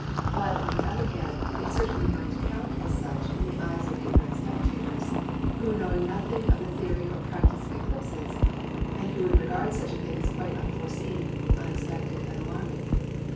But, on the other hand, it certainly might count as such in the eyes of ignorant spectators, who know nothing of the theory or practice of eclipses, and who would regard such a thing as quite unforeseen, unexpected, and alarming.